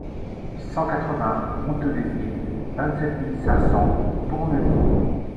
cent quatre-vingts route d'Aizier, vingt-sept mille cinq cents Bourneville